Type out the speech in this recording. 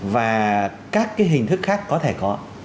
và các cái hình thức khác có thể có